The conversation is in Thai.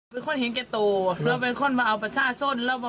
เพื่อคนนะครับ